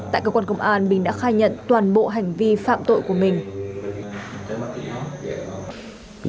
tại cơ quan công an bình đã khai nhận toàn bộ hành vi phạm tội của mình